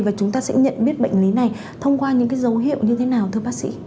và chúng ta sẽ nhận biết bệnh lý này thông qua những cái dấu hiệu như thế nào thưa bác sĩ